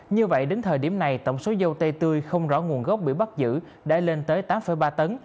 như vậy đến thời điểm này tổng số dâu tê tươi không rõ nguồn gốc bị bắt giữ đã lên tới tám ba tấn